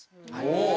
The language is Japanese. お！